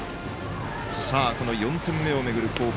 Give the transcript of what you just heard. この４点目を巡る攻防。